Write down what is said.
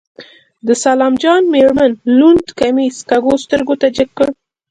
د سلام جان مېرمن لوند کميس کږو سترګو ته جګ کړ.